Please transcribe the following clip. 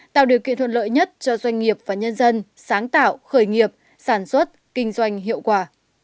tạo điều kiện thuận lợi nhất cho doanh nghiệp và nhân dân sáng tạo khởi nghiệp sản xuất kinh doanh hiệu quả